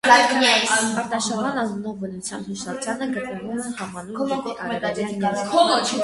Արտաշավան անունով բնության հուշարձանը գտնվում է համանուն գյուղի արևելյան եզրին։